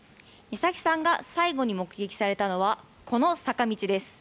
美咲さんが最後に目撃されたのはこの坂道です。